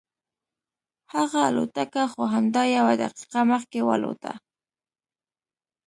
هغه الوتکه خو همدا یوه دقیقه مخکې والوتله.